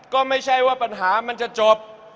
ก็ไม่ใช่ว่าปัญหามันจะจบ